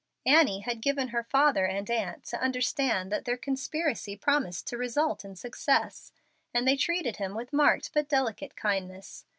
Annie had given her father and aunt to understand that their conspiracy promised to result in success, and they treated him with marked but delicate kindness.